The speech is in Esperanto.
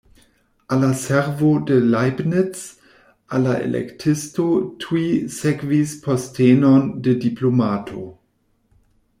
Al la servo de Leibniz al la Elektisto tuj sekvis postenon de diplomato.